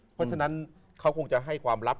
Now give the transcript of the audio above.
เพราะฉะนั้นเขาคงจะให้ความลับ